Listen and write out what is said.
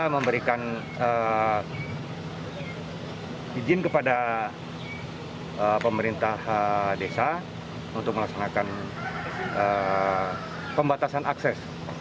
memberikan izin kepada pemerintah desa untuk melaksanakan pembatasan akses